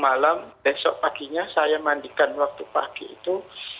malam besok paginya saya mandikan waktu pagi itu